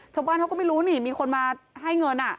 ชาวบ้านเขาก็ไม่รู้นี่มีคนมาให้เงิน